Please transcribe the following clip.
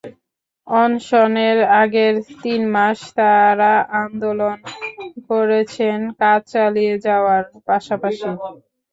অনশনের আগের তিন মাস তাঁরা আন্দোলন করেছেন কাজ চালিয়ে যাওয়ার পাশাপাশি।